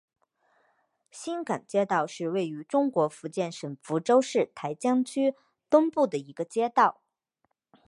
新港街道是位于中国福建省福州市台江区东部的一个街道。